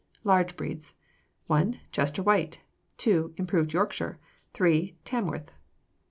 Large Breeds 1. Chester White. 2. Improved Yorkshire. 3. Tamworth.